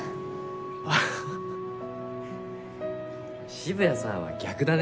渋谷さんは逆だね。